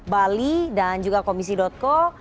bali dan juga komisi co